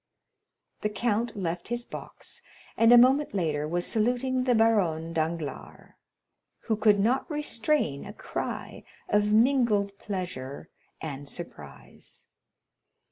The count left his box, and a moment later was saluting the Baronne Danglars, who could not restrain a cry of mingled pleasure and surprise.